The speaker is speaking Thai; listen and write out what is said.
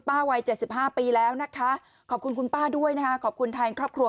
วัย๗๕ปีแล้วนะคะขอบคุณคุณป้าด้วยนะคะขอบคุณแทนครอบครัว